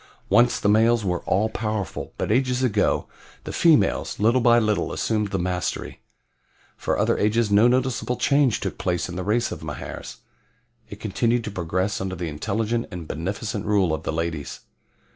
"Once the males were all powerful, but ages ago the females, little by little, assumed the mastery. For other ages no noticeable change took place in the race of Mahars. It continued to progress under the intelligent and beneficent rule of the ladies.